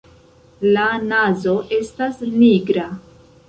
La nazo estas nigra.